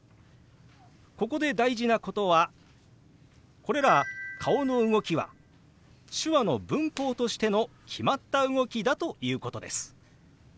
ここで大事なことはこれら顔の動きは手話の文法としての決まった動きだということです。